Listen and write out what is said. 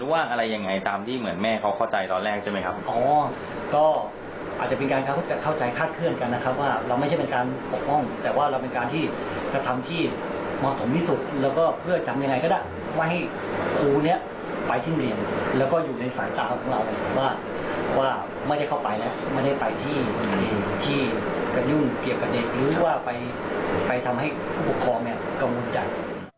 หรือว่าไปทำให้ผู้ปกครองกังวลจัด